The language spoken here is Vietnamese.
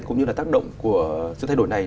cũng như là tác động của sự thay đổi này